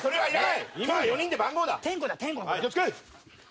はい。